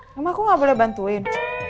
mbak aku gak boleh bantuin